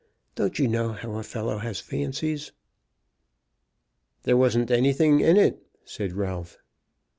Don't you know how a fellow has fancies?" "There wasn't anything in it," said Ralph.